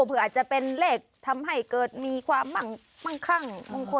เผื่ออาจจะเป็นเลขทำให้เกิดมีความมั่งคั่งมงคล